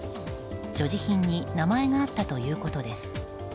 所持品に名前があったということです。